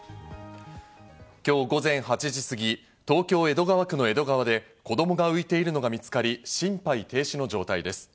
今日午前８時すぎ、東京・江戸川区の江戸川で子供が浮いているのが見つかり、心肺停止の状態です。